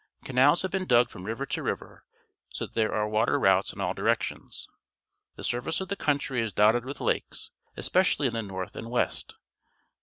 Canals have been dug from river to river, so that there are water routes in all directions. The surface of the country is dotted with lakes, especially in the north and west.